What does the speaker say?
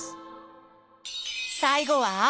最後は？